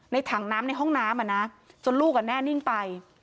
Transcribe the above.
ถังน้ำในห้องน้ำจนลูกแน่นิ่งไป